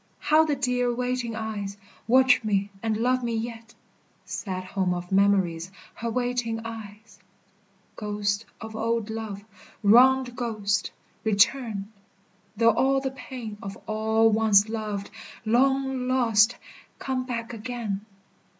How the dear waiting eyes Watch me and love me yet Sad home of memories, Her waiting eyes! Ghost of old love, wronged ghost, Return: though all the pain Of all once loved, long lost, Come back again.